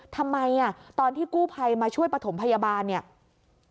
ทำไมตอนที่กู้ภัยมาช่วยปฐมพยาบาล